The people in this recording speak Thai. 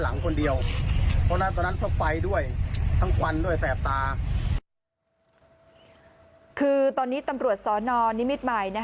บอกว่าต้องไปตรวจสอบทะเบียนรถ